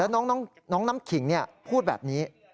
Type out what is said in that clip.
แล้วน้องน้ำขิงพูดแบบนี้